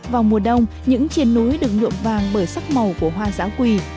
vào mùa đông những trên núi được nhuộm vàng bởi sắc màu của hoa giã quỳ